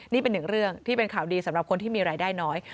นี่เป็นหนึ่งเรื่องที่เป็นข่าวดีสำหรับคนที่มีรายได้น้อย